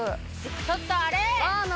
ちょっとあれ！